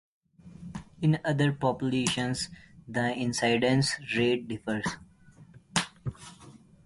In other populations the incidence rate differs.